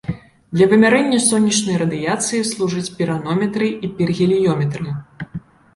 Для вымярэння сонечнай радыяцыі служаць піранометры і піргеліёметры.